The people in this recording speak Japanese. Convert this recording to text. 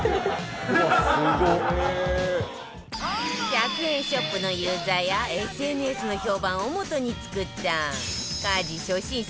１００円ショップのユーザーや ＳＮＳ の評判をもとに作った家事初心者